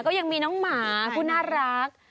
ก็ยังมีน้องหมาผู้น่ารัก